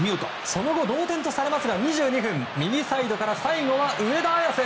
その後同点とされますが２２分、右サイドから上田綺世。